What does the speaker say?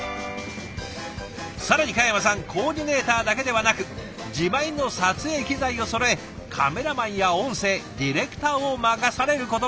更に嘉山さんコーディネーターだけではなく自前の撮影機材をそろえカメラマンや音声ディレクターを任されることも。